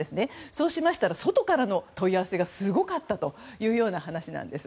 そうしましたら外からの問い合わせがすごかったというような話なんです。